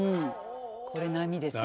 これ波ですね。